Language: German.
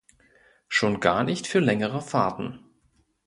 Schon gar nicht für längere Fahrten!